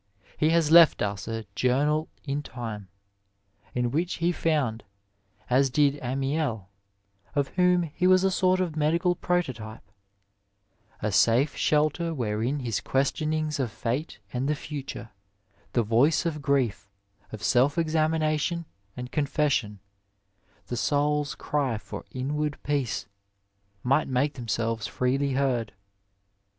He has left us a journal intimey in which he found, as did Amiel, of whom he was a sort of medical prototype, '' a safe shelter wherein his questionings of fate and the future, the voice of grief, of self examination and confession, the soul's cry for inward peace, might make themselves freely heard."